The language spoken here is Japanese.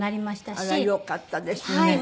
あらよかったですね。